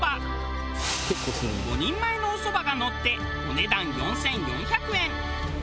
５人前のおそばがのってお値段４４００円。